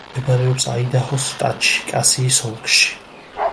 მდებარეობს აიდაჰოს შტატში, კასიის ოლქში.